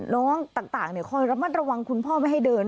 น้องต่างคอยระมัดระวังคุณพ่อไม่ให้เดิน